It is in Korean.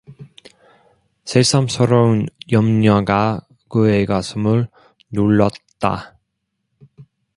새삼스러운 염려가 그의 가슴을 눌렀다.